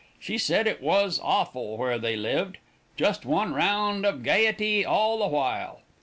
She said it was awful where they lived. Just one round of gayety all the while.